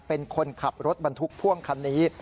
เป็นคนขับรถบรรทุกพ่วงคันนี้